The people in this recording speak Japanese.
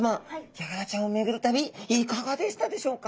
ヤガラちゃんを巡る旅いかがでしたでしょうか？